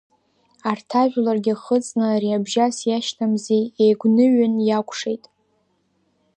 Арҭ ажәларгьы хыҵны ари абжьас иашьҭамзи, еигәныҩын, иакәшеит.